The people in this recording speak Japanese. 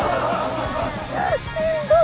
しんどい。